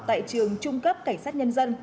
tại trường trung cấp cảnh sát nhân dân